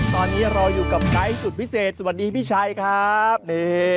ตอนนี้รออยู่กับไกด์สุดพิเศษสวัสดีพี่ชัยครับ